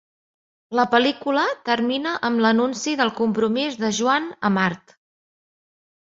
La pel·lícula termina amb l'anunci del compromís de Joan amb Art.